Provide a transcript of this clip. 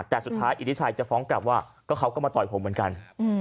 แต่สุดท้ายอิทธิชัยจะฟ้องกลับว่าก็เขาก็มาต่อยผมเหมือนกัน